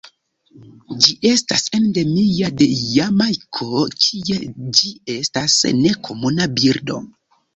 Ĝi estas endemia de Jamajko, kie ĝi estas nekomuna birdo.